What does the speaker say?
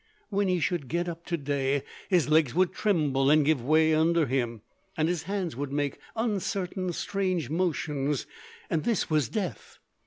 When he should get up to day his legs would tremble and give way under him, and his hands would make uncertain strange motions—and this was death.